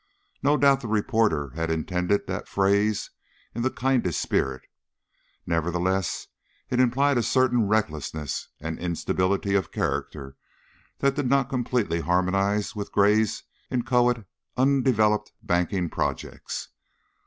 No doubt the reporter had intended that phrase in the kindest spirit; nevertheless, it implied a certain recklessness and instability of character that did not completely harmonize with Gray's inchoate, undeveloped banking projects.